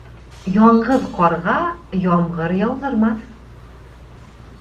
Яңғыҙ ҡарға ямғыр яуҙырмаҫ.